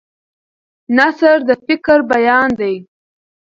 نثر د فکر بیان دی.